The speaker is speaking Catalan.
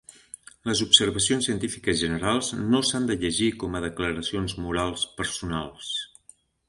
Les observacions científiques generals no s'han de llegir com a declaracions morals personals.